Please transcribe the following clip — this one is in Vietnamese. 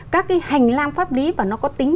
các cái hành lang pháp lý và nó có tính